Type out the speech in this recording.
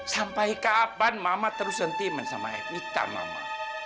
sampai kapan mama terus sentimen sama evita mama